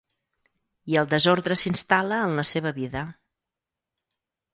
I el desordre s'instal·la en la seva vida.